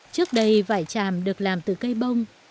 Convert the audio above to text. trước đây vải tràm được làm từ cây bông